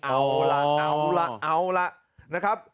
เอาล่ะเอาล่ะเอาล่ะนะครับ